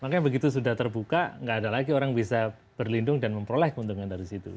makanya begitu sudah terbuka nggak ada lagi orang bisa berlindung dan memperoleh keuntungan dari situ